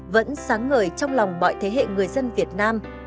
vẫn sáng ngời trong lòng mọi thế hệ người dân việt nam